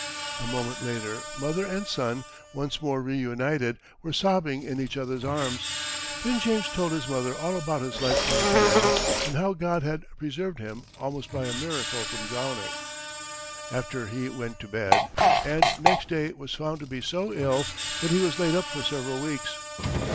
A moment later, mother and son, once more reunited, were sobbing in each other's arms. Then James told his mother all about his life on the canal, and how God had preserved him almost by a miracle from drowning. After that he went to bed, and next day was found to be so ill that he was laid up for several weeks.